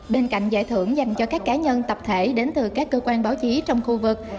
bên cạnh giải thưởng dành cho các cá nhân tập thể đến từ các cơ quan báo chí trong khu vực